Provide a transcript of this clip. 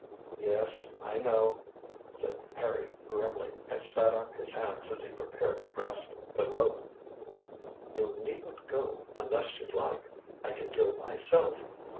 "Yes, I know," said Harry grimly, and spat on his hands as he prepared to grasp the rope. "You needn't go unless you like. I can go myself.